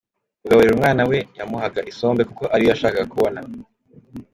Kugaburira umwana we, yamuhaga isombe kuko ari yo yabashaga kubona.